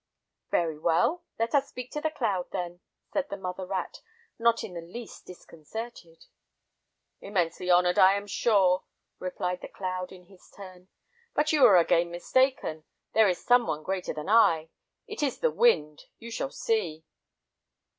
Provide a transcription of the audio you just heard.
"Very well; let us speak to the cloud, then," said the mother rat, not in the least disconcerted. "Immensely honored, I am sure," replied the cloud in his turn, "but you are again mistaken; there is some one greater than I; it is the wind. You shall see."